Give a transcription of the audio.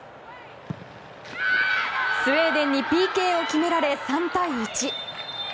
スウェーデンにＰＫを決められ３対１。